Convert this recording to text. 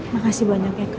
makasih banyak eka